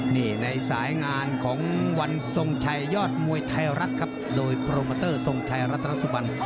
นี่ในสายงานของวันทรงชัยยอดมวยไทยรัฐครับโดยโปรโมเตอร์ทรงชัยรัตนสุบัน